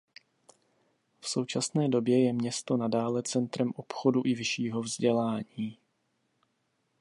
V současné době je město nadále centrem obchodu i vyššího vzdělání.